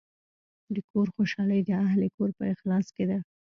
د کور خوشحالي د اهلِ کور په اخلاص کې ده.